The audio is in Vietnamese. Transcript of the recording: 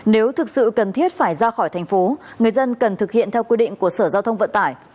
nếu thực sự cần thiết phải ra khỏi thành phố người dân cần thực hiện theo quy định của sở giao thông vận tải